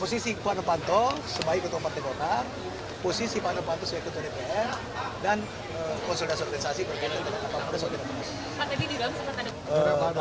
posisi ketua novanto sebagai ketua partai golkar posisi ketua novanto sebagai ketua dpr dan konsolidasi organisasi